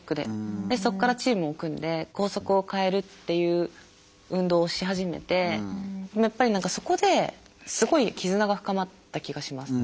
そこからチームを組んで校則を変えるっていう運動をし始めてやっぱり何かそこですごい絆が深まった気がします。